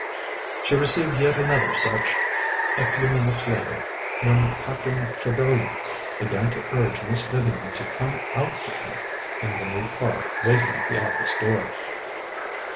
She received yet another such a few minutes later, when Captain Trevellyan began to urge Miss Vivian to come out with him in the new car waiting at the office door.